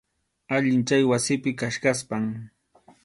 Allin chay wasipi kachkaspam.